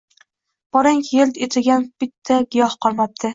Boringki, yilt etgan bitta giyoh qolmabdi.